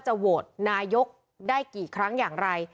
โหวตนายกได้กี่ครั้งอย่างไร